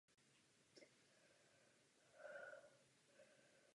Snímač musí mít ovladače Plug and Play.